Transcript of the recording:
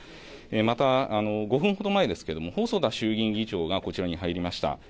また、５分ほど前ですけれども細田衆議院議長がこちらに入りました。